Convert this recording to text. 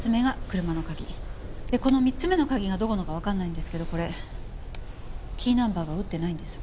でこの３つ目の鍵がどこのかわかんないんですけどこれキーナンバーが打ってないんです。